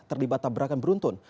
terlibat tabrakan beruntun